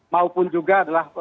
maupun juga adalah